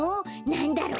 なんだろう？